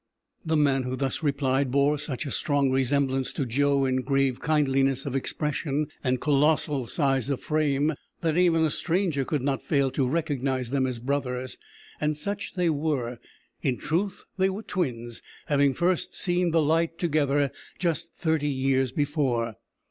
The man who thus replied bore such a strong resemblance to Joe in grave kindliness of expression and colossal size of frame, that even a stranger could not fail to recognise them as brothers, and such they were in truth they were twins, having first seen the light together just thirty years before.